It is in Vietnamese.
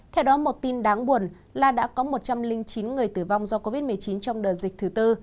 theo đó một tin đáng buồn là đã có một trăm linh chín người tử vong do covid một mươi chín trong đợt dịch thứ tư